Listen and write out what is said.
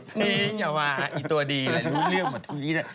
นี่อย่าว่าตัวดีเลยรู้เรื่องหมดทุกวันนี้เลย